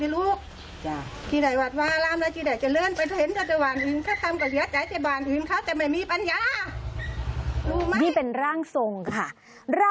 ร่างทรงค่ะ